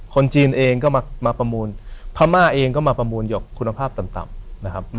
จีนเองก็มาประมูลพม่าเองก็มาประมูลหยกคุณภาพต่ำนะครับ